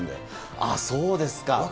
あっ、そうですか。